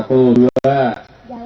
provinsi jawa barat betul